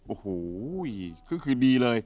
โอ้โหคือคืนดีเลย